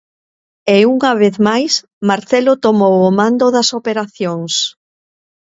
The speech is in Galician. E unha vez máis, Marcelo tomou o mando das operacións.